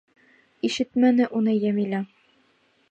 Ишетмәне уны Йәмилә.